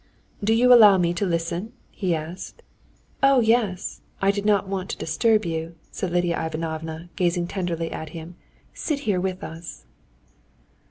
"Do you allow me to listen?" he asked. "Oh, yes; I did not want to disturb you," said Lidia Ivanovna, gazing tenderly at him; "sit here with us."